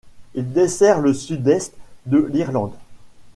Il dessert le Sud-Est de l'Irlande.